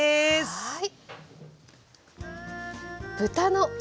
はい。